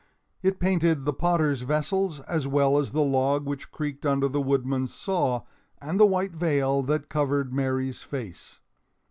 It painted the potter's vessels as well as the log which creaked under the woodman's saw, and the white veil that covered Mary's face.